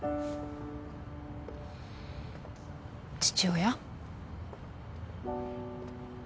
父親？